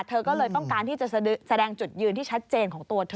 เธอก็เลยต้องการที่จะแสดงจุดยืนที่ชัดเจนของตัวเธอ